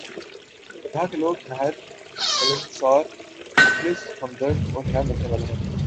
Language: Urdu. یہاں کے لوگ نہایت ملنسار ، مخلص ، ہمدرد اورخیال رکھنے والے ہیں ۔